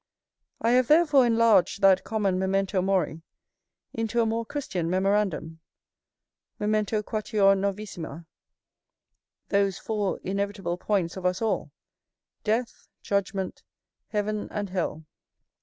I have therefore enlarged that common memento mori into a more Christian memorandum, memento quatuor novissima, those four inevitable points of us all, death, judgment, heaven, and hell.